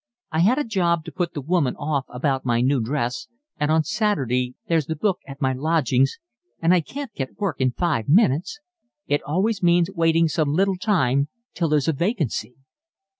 I had a job to put the woman off about my new dress, and on Saturday there's the book at my lodgings, and I can't get work in five minutes. It always means waiting some little time till there's a vacancy."